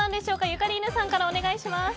ゆかりーぬさんからお願いします。